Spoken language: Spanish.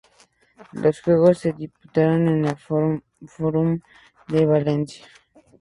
Los juegos se disputaron en el Forum de Valencia.